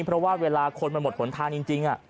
เพราะว่าเวลาคนมันหมดหนทางจริง